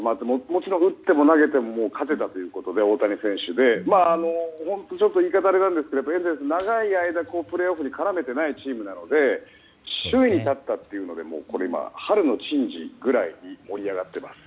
もちろん、打っても投げても勝てたということでちょっと言い方があれなんですがエンゼルス、長い間プレーオフに絡めていないチームなので首位に立ったというので春の椿事ぐらいに盛り上がっています。